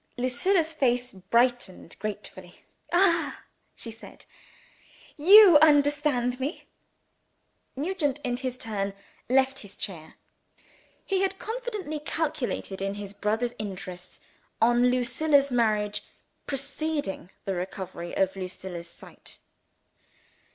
Lucilla's face brightened gratefully. "Ah!" she said, "you understand me!" Nugent, in his turn, left his chair. He had confidently calculated, in his brother's interests, on Lucilla's marriage preceding the recovery of Lucilla's sight.